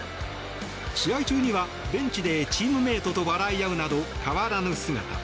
試合中にはベンチでチームメートと笑い合うなど変わらぬ姿。